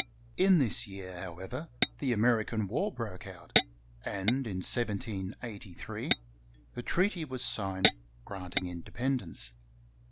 In this year, however, the Ameri can War broke out, and in 1783 the treaty was signed granting independence.